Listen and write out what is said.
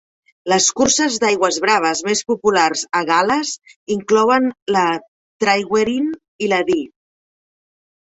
Les curses d'aigües braves més populars a Gal·les inclouen la Tryweryn i la Dee.